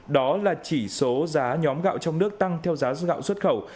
đó là chỉ số giá nhóm gạo trong nước tăng theo giá gạo xuất khẩu